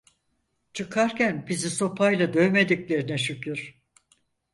Çıkarken bizi sopayla dövmediklerine şükür!